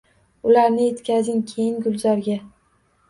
Ularni yetkazing keyin gulzorga.